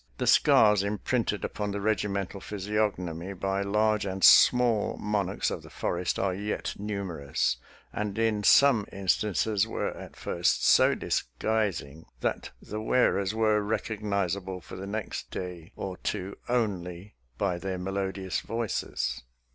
The scars imprinted upon the regimental physiognomy by large and small monarchs of the forest are yet numerous, and in some in stances were at first so disguising that the wear ers were recognizable for the next day or two only by their melodious voices.